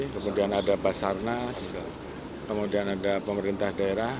kemudian ada basarnas kemudian ada pemerintah daerah